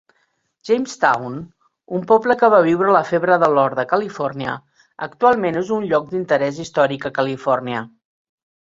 Jamestown, un poble que va viure la febre de l'or de Califòrnia, actualment és un lloc d'interès històric a Califòrnia.